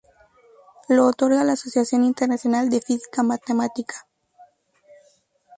Lo otorga la Asociación Internacional de Física Matemática.